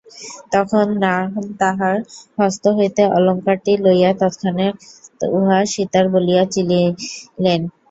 তখন রাম তাঁহার হস্ত হইতে অলঙ্কারটি লইয়া তৎক্ষণাৎ উহা সীতার বলিয়া চিনিলেন।